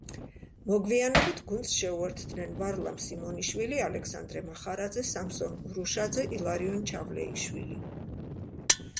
მოგვიანებით გუნდს შეუერთდნენ ვარლამ სიმონიშვილი, ალექსანდრე მახარაძე, სამსონ ურუშაძე, ილარიონ ჩავლეიშვილი.